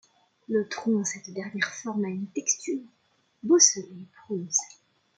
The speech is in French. Le tronc dans cette dernière forme a une texture bosselée prononcée.